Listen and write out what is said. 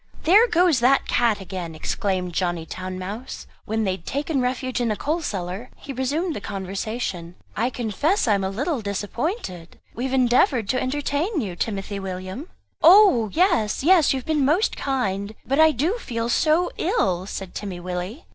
"There goes that cat again!" exclaimed Johnny Town mouse. When they had taken refuge in the coal cellar he resumed the conversation; "I confess I am a little disappointed; we have endeavoured to entertain you, Timothy William." "Oh yes, yes, you have been most kind; but I do feel so ill," said Timmy Willie.